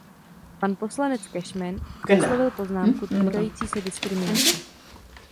Pan poslanec Cashman vyslovil poznámku týkající se diskriminace.